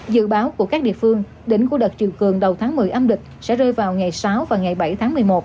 dự báo của các địa phương đỉnh của đợt triều cường đầu tháng một mươi âm lịch sẽ rơi vào ngày sáu và ngày bảy tháng một mươi một